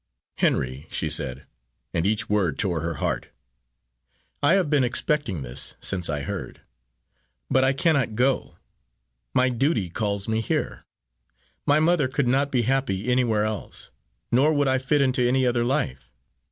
"Henry," she said, and each word tore her heart, "I have been expecting this since I heard. But I cannot go; my duty calls me here. My mother could not be happy anywhere else, nor would I fit into any other life.